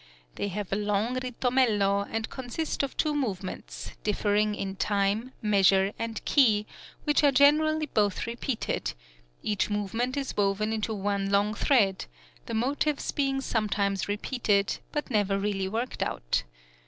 They have a long ritomello, and consist of two movements, differing in time, measure, and key, which are generally both repeated; each movement is woven into one long thread, the motifs being sometimes repeated, but never really worked out.